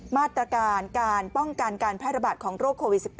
มาตรการการป้องกันการแพร่ระบาดของโรคโควิด๑๙